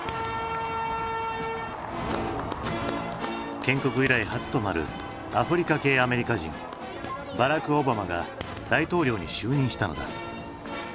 建国以来初となるアフリカ系アメリカ人バラク・オバマが大統領に就任したのだ。